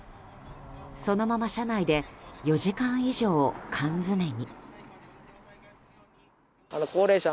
そのまま車内で４時間以上、缶詰めに。